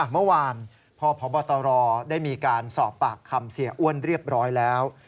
เมื่อวานพบตรได้มีการสอบปากคำเสียอ้วนเรียบร้อยแล้ว